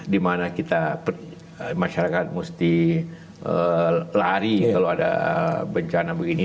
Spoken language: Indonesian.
dimana kita masyarakat mesti lari kalau ada bencana begini